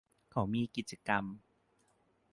เขามีกิจกรรม